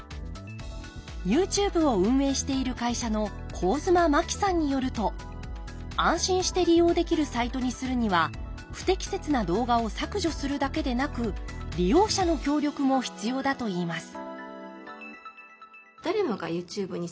ＹｏｕＴｕｂｅを運営している会社の上妻真木さんによると安心して利用できるサイトにするには不適切な動画を削除するだけでなく利用者の協力も必要だといいます